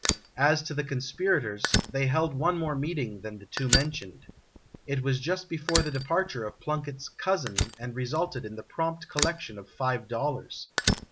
As to the conspirators, they held one more meeting than the two mentioned. It was just before the departure of Plunkett's "cousin," and resulted in the prompt collection of five dollars.